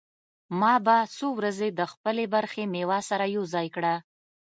ما به څو ورځې د خپلې برخې مېوه سره يوځاى کړه.